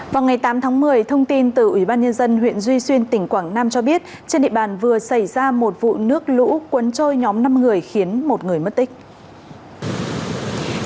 vào ngày tám tháng một mươi thông tin từ ủy ban nhân dân huyện duy xuyên tỉnh quảng nam cho biết trên địa bàn vừa xảy ra một vụ nước lũ cuốn trôi nhóm năm người khiến một người mất tích